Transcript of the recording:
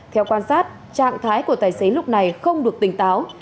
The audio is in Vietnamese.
theo quan sát trạng thái của tài xế lúc này không được tỉnh táo